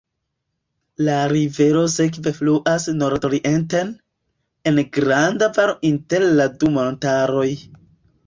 La rivero sekve fluas nordorienten, en granda valo inter la du montaroj.